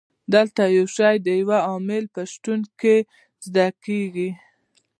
دلته یو شی د یو عامل په شتون کې زده کیږي.